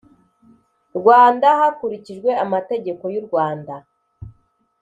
Rwanda hakurikijwe amategeko y u rwanda